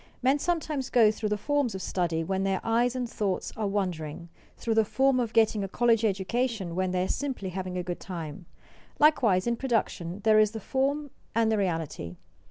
Men sometimes go through the forms of study when their eyes and thoughts are wandering; through the form of getting a college education when they are simply having a good time. Likewise in production there is the form and the reality.